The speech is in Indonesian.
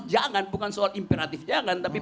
jangan bukan soal imperatif jangan tapi